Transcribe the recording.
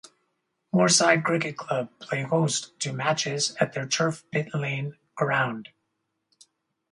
Moorside Cricket Club play host to matches at their Turf Pit Lane ground.